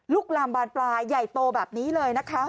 ลามบานปลายใหญ่โตแบบนี้เลยนะคะ